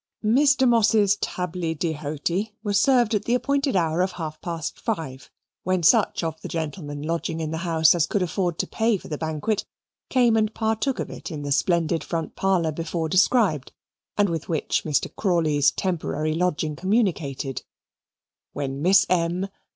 Mr. Moss's tably dy hoty was served at the appointed hour of half past five, when such of the gentlemen lodging in the house as could afford to pay for the banquet came and partook of it in the splendid front parlour before described, and with which Mr. Crawley's temporary lodging communicated, when Miss M.